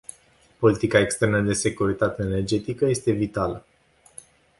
Politica externă de securitate energetică este vitală.